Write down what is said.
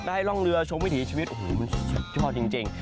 ได้ร่องเรือชมวิถีชายวิทย์สุดยอดจริง